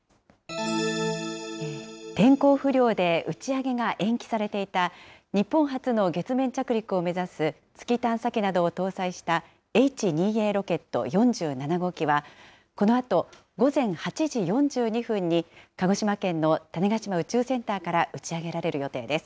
天候不良で打ち上げが延期されていた、日本初の月面着陸を目指す月探査機などを搭載したＨ２Ａロケット４７号機は、このあと午前８時４２分に、鹿児島県の種子島宇宙センターから打ち上げられる予定です。